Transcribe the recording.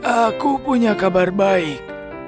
aku punya kabar baik